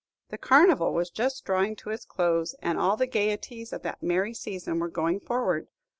The Carnival was just drawing to its close, and all the gayeties of that merry season were going forward.